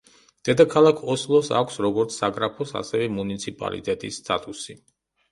დედაქალაქ ოსლოს აქვს როგორც საგრაფოს ასევე მუნიციპალიტეტის სტატუსი.